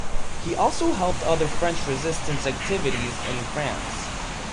He also helped other French Resistance activities in France.